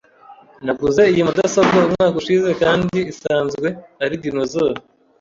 Naguze iyi mudasobwa umwaka ushize kandi isanzwe ari dinosaur .